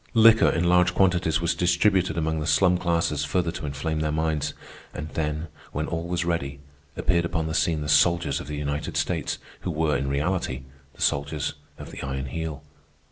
Liquor in large quantities was distributed among the slum classes further to inflame their minds. And then, when all was ready, appeared upon the scene the soldiers of the United States, who were, in reality, the soldiers of the Iron Heel.